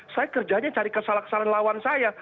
saya kerjanya cari kesalahan kesalahan lawan saya